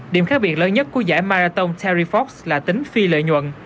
điểm khác biệt lớn nhất của giải marathon terry fox là tính phi lợi nhuận